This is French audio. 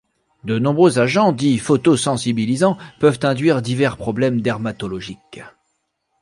De nombreux agents dits photosensibilisants peuvent induire divers problèmes dermatologiques.